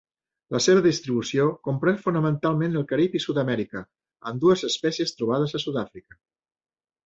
La seva distribució comprèn fonamentalment el Carib i Sud-amèrica, amb dues espècies trobades a Sud-àfrica.